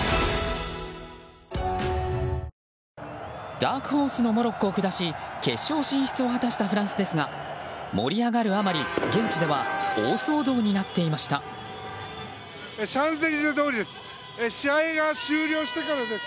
ダークホースのモロッコを下し決勝進出を果たしたフランスですが盛り上がるあまり、現地ではシャンゼリゼ通りです。